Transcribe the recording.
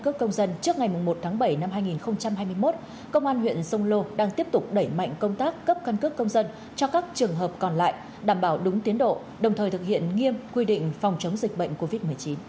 căn cước công dân trước ngày một tháng bảy năm hai nghìn hai mươi một công an huyện sông lô đang tiếp tục đẩy mạnh công tác cấp căn cước công dân cho các trường hợp còn lại đảm bảo đúng tiến độ đồng thời thực hiện nghiêm quy định phòng chống dịch bệnh covid một mươi chín